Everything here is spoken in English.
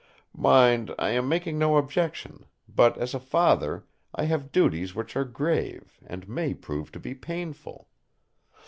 Mind, I am making no objection; but as a father I have duties which are grave, and may prove to be painful.